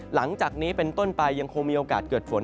หลังจากนี้เป็นต้นไปยังคงมีโอกาสเกิดฝน